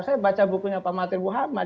saya baca bukunya pak mahathir muhammad